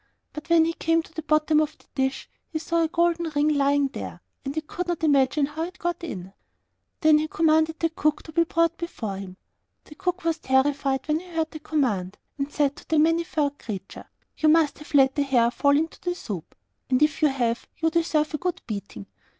But when he came to the bottom of the dish he saw a gold ring lying there, and he could not imagine how it got in. Then he commanded the cook to be brought before him. The cook was terrified when he heard the command, and said to the Many furred Creature, 'You must have let a hair fall into the soup, and if you have you deserve a good beating!